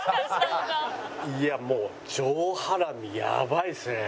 いやもう上ハラミやばいですね。